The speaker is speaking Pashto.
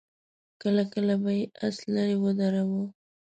کله کله به يې آس ليرې ودراوه.